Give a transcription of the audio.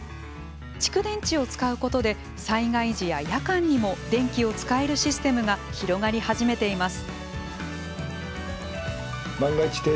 蓄電池を使うことで災害時や夜間にも電気を使えるシステムが広がり始めています。